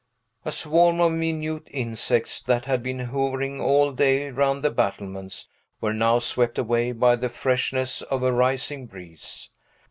A swarm of minute insects that had been hovering all day round the battlements were now swept away by the freshness of a rising breeze.